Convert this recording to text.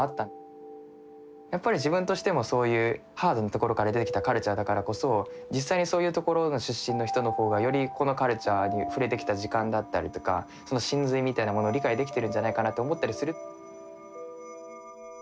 やっぱり自分としてもそういうハードなところから出てきたカルチャーだからこそ実際にそういうところの出身の人の方がよりこのカルチャーに触れてきた時間だったりとかその神髄みたいなもの理解できてるんじゃないかなと思ったりする。